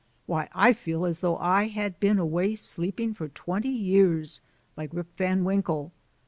Why, I feel as though I had been away sleeping for twenty years, like Rip Van Winkle.